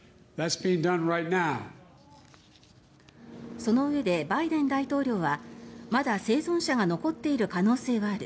そのうえでバイデン大統領はまだ生存者が残っている可能性がある